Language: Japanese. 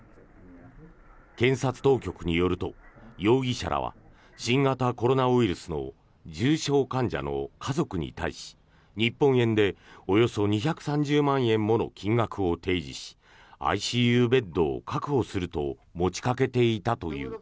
検察当局によると容疑者らは新型コロナウイルスの重症患者の家族に対し日本円でおよそ２３０万円もの金額を提示しＩＣＵベッドを確保すると持ちかけていたという。